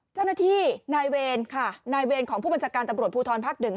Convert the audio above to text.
เจ้าหน้าที่นายเวรค่ะนายเวรของผู้บัญชาการตำรวจภูทรภักดิ์หนึ่ง